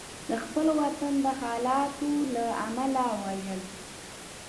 د خپل وطن د حالاتو له امله وژړل.